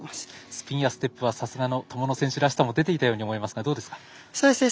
スピンやステップはさすがの友野選手らしさも出ていたように思いますがどうでしょうか？